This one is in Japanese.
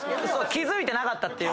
気付いてなかったというか。